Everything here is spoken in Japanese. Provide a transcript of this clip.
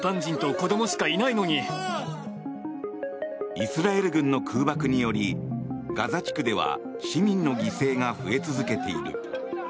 イスラエル軍の空爆によりガザ地区では市民の犠牲が増え続けている。